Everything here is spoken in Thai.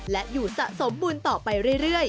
และอยู่สะสมบุญต่อไปเรื่อย